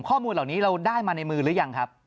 ข้อมูลเหล่านี้เราได้มาในมือหรือยังครับ